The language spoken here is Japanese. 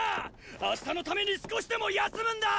明日のために少しでも休むんだ！